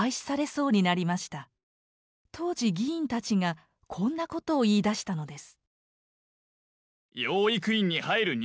当時議員たちがこんなことを言いだしたのです。